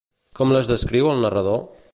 Com les descriu el narrador?